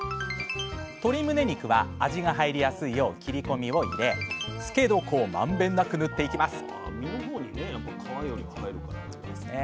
鶏むね肉は味が入りやすいよう切りこみを入れ漬け床をまんべんなくぬっていきます